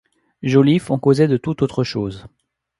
Joliffe, on causait de toute autre chose.